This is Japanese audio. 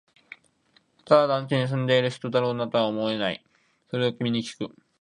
ただ、団地に住んでいる人だろうなとは思い、それを君にきく